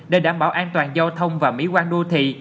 để đảm bảo an toàn giao thông và mỹ quan đô thị